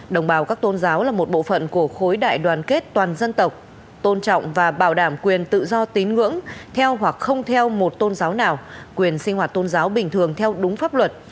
đồng bào các tôn giáo là một bộ phận của khối đại đoàn kết toàn dân tộc tôn trọng và bảo đảm quyền tự do tín ngưỡng theo hoặc không theo một tôn giáo nào quyền sinh hoạt tôn giáo bình thường theo đúng pháp luật